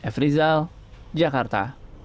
f rizal jakarta